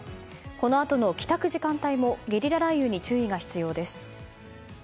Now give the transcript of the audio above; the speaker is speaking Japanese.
このあとの帰宅時間帯もゲリラ雷雨に注意が必要です。